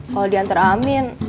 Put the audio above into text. kalau dihantar amin